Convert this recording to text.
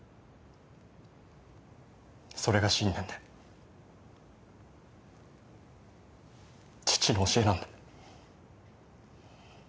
それが信念で父の教えなので。